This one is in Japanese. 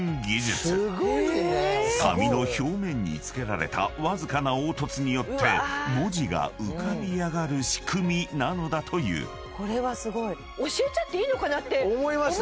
［紙の表面に付けられたわずかな凹凸によって文字が浮かび上がる仕組みなのだという］思いました。